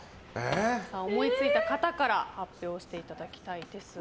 思いついた方から発表していただきたいですが。